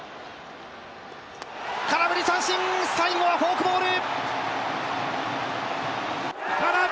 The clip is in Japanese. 空振り三振、最後はフォークボール！